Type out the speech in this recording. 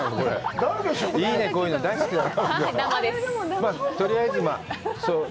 いいね、こういうの大好きだ。